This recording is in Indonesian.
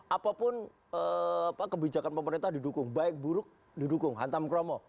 apapun kebijakan pemerintah didukung baik buruk didukung hantam kromo